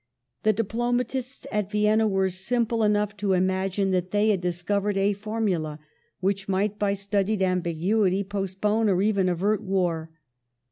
The diplomatists at Vienna were simple enough to imagine that they had discovered a formula which might, by studied ambiguity, postpone or even avert war.